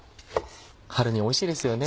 春においしいですよね。